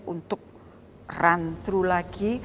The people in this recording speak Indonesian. untuk run through lagi